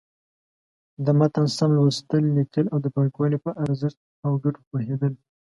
د متن سم لوستل، ليکل او د پاکوالي په ارزښت او گټو پوهېدل.